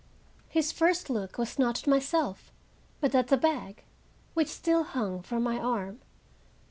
His first look was not at myself, but at the bag, which still hung from my arm.